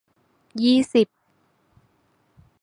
ยี่สิบ